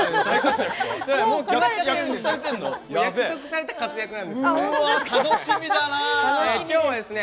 約束された活躍なんですよね。